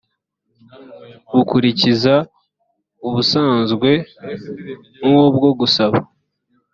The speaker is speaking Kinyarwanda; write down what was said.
bukurikiza ubusanzwe nk’ubwo gusaba